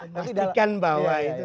pastikan bahwa itu